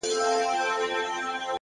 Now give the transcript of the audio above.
هوښیار انسان له هر حالت ګټه اخلي.!